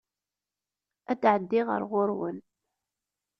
Ad d-ɛeddiɣ ar ɣuṛ-wen.